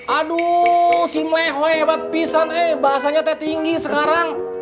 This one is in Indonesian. aduh si mlehwe bat pisane bahasanya teh tinggi sekarang